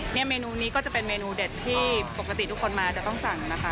เนี่ยเมนูนี้จะเป็นเนื้อเด็ดที่โปรกติทุกคนมาจะต้องสั่งนะคะ